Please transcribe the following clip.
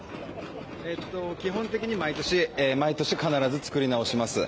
基本的に毎年必ず作り直します。